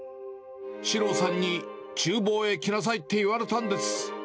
四朗さんにちゅう房へ来なさいって言われたんです。